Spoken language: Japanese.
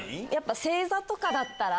「星座」とかだったら。